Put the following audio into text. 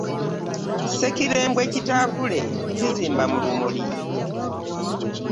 Ssekirembwe kitankule kizimba mu lumuli .